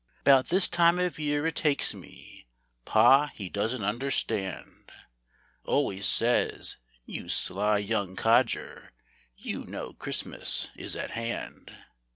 'Bout this time of year it takes me Pa, he doesn't understand, Always says: "You sly young codger, You know Christmas is at hand."